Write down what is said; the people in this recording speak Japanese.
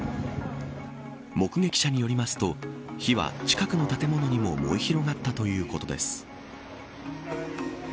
目撃者によりますと火は近くの建物にも燃え広がったということです。